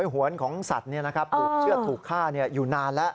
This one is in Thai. หวนของสัตว์ถูกเชือดถูกฆ่าอยู่นานแล้ว